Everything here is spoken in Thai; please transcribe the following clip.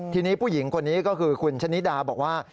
ทีนี้ผู้หญิงคนนี้ก็คือคุณชะนิดาบอกว่า